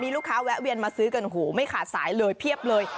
ลูกค้าแวะเวียนมาซื้อกันหูไม่ขาดสายเลยเพียบเลย